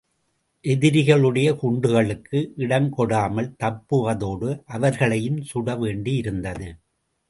எதிரிகளுடைய குண்டுகளுக்கு இடம் கொடாமல் தப்புவதோடு, அவர்களையும்சுட வேண்டியிருந்தது.